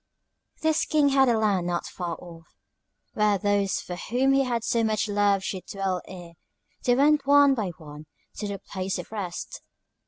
"This King had a land, not far off, where those for whom he had so much love should dwell ere they went one by one to the Place of Rest.